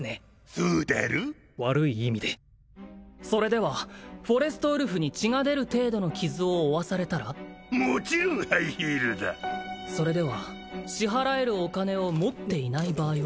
そうだろう悪い意味でそれではフォレストウルフに血が出る程度の傷を負わされたらもちろんハイヒールだそれでは支払えるお金を持っていない場合は？